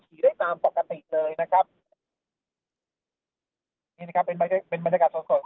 ถือได้ตามปกติเลยนะครับนี่นะครับเป็นเป็นบรรยากาศสด